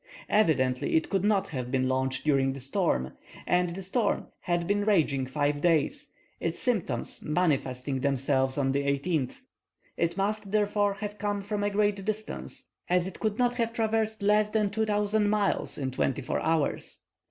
Evidently it could not have been launched during the storm, and the storm had been raging five days, its symptoms manifesting themselves on the 18th. It must, therefore, have come from a great distance, as it could not have traversed less than 2,000 miles in twenty four hours.